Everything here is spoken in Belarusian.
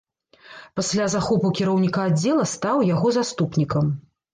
Пасля захопу кіраўніка аддзела стаў яго заступнікам.